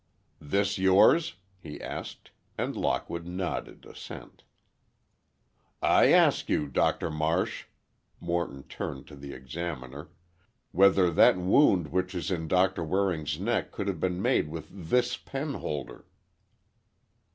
"This yours?" he asked, and Lockwood nodded assent. "I ask you, Doctor Marsh," Morton turned to the Examiner, "whether that wound which is in Doctor Waring's neck could have been made with this penholder."